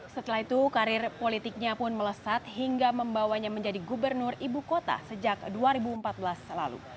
setelah itu karir politiknya pun melesat hingga membawanya menjadi gubernur ibu kota sejak dua ribu empat belas lalu